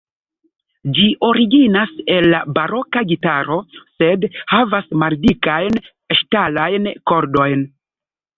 Ĝi originas el la baroka gitaro, sed havas maldikajn ŝtalajn kordojn.